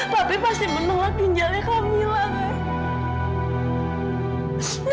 tapi pasti menolak ginjalnya kamila nek